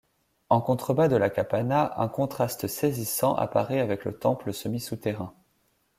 En contrebas de l’Akapana un contraste saisissant apparaît avec le temple semi souterrain.